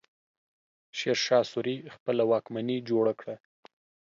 شېرشاه سوري خپله واکمني جوړه کړه.